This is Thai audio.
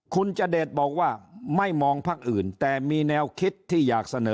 คุณจเดชบอกว่าไม่มองพักอื่นแต่มีแนวคิดที่อยากเสนอ